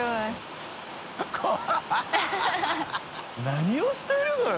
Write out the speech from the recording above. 何をしてるのよ？